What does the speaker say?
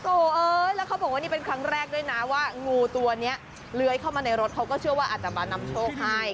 โอ้โหแล้วเขาบอกว่านี่เป็นครั้งแรกด้วยนะว่างูตัวนี้เลื้อยเข้ามาในรถเขาก็เชื่อว่าอาจจะมานำโชคให้